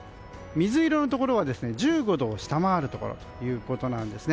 水色のところは１５度を下回るところです。